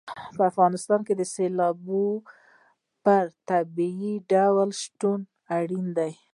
په افغانستان کې سیلابونه په طبیعي ډول شتون لري.